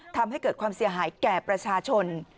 ทำให้เกิดความเสียหายแก่ประชาชน